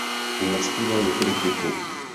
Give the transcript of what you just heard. Nazpíval několik hitů.